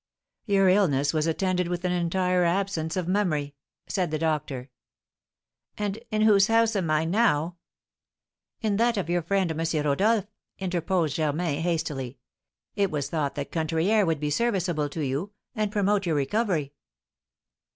"Your illness was attended with an entire absence of memory," said the doctor. "And in whose house am I now?" "In that of your friend, M. Rodolph," interposed Germain, hastily; "it was thought that country air would be serviceable to you, and promote your recovery."